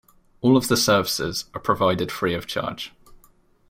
All of the services are provided free of charge.